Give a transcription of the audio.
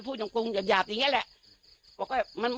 ผู้จำกรุงหยาบอย่างนี้แหละ